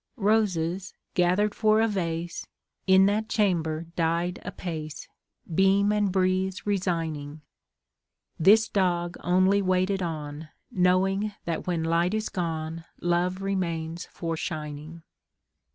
Roses, gathered for a vase, In that chamber died apace, Beam and breeze resigning This dog only waited on, Knowing that when light is gone Love remains for shining.